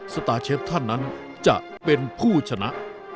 สตาร์เชฟท่านนั้นจะเป็นผู้ชนะ